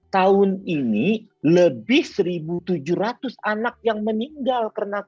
tahun ini lebih seribu tujuh ratus anak yang meninggal karena covid